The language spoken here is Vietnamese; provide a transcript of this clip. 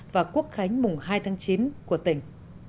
và quốc khánh mùng hai tháng chín của tỉnh